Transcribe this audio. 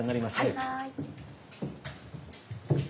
はい。